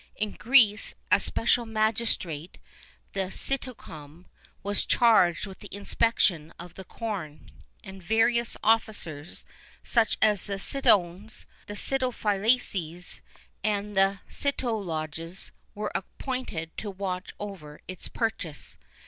[II 25] In Greece, a special magistrate, the "Sitocome," was charged with the inspection of the corn; and various officers, such as the sitones, the sitophylaces, and the sitologes, were appointed to watch over its purchase.